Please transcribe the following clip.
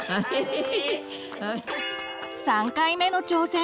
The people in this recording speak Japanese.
３回目の挑戦！